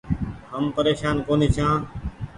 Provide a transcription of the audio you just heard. هم پريشان ڪونيٚ ڇآن۔